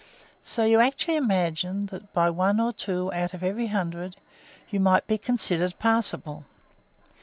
So you actually imagined that by one or two out of every hundred you might be considered passable.